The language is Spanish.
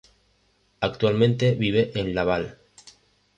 Actualmente vive en Laval.